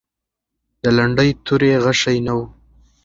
د لنډۍ توري غشی نه و.